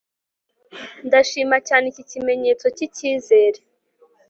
Ndashima cyane iki kimenyetso cyicyizere